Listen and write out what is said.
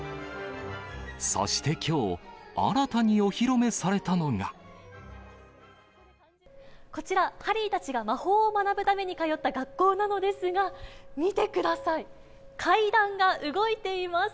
そしてきょう、こちら、ハリーたちが魔法を学ぶために通った学校なのですが、見てください、階段が動いています。